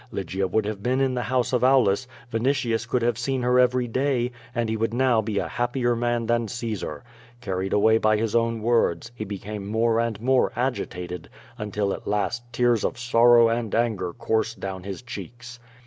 Lygia would have been in the house of Aulus, Vinitius could have seen her every day, and he would now be a happier man than Caesar. Carried away by his own words, he became more and more agitated, until at last tears of sorrow and anger coursed down his cheeks.